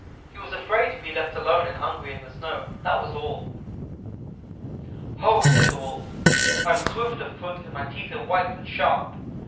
He was afraid to be left alone and hungry in the snow that was all. "'Ho!' said the Wolf, 'I am swift of foot and my teeth are white and sharp.